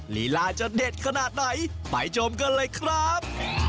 ลีลาจะเด็ดขนาดไหนไปชมกันเลยครับ